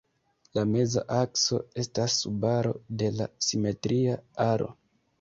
La meza akso estas subaro de la simetria aro.